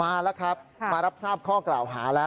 มาแล้วครับมารับทราบข้อกล่าวหาแล้ว